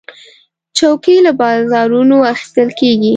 چوکۍ له بازارونو اخیستل کېږي.